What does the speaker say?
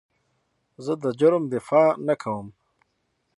زه د جرم دفاع نه کوم.